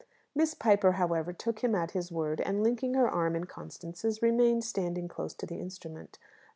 Miss Piper, however, took him at his word, and, linking her arm in Constance's, remained standing close to the instrument.